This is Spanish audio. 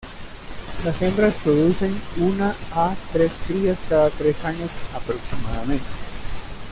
Las hembras producen una a tres crías cada tres años aproximadamente.